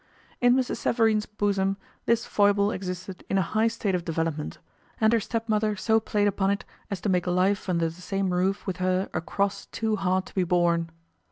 In Mrs. Savareen's bosom this foible existed in a high state of development, and her stepmother so played upon it as to make life under the same roof with her a cross too hard to be borne.